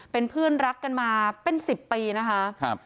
เป็นเพื่อนรักกันมาเป็น๑๐ปีนะคะ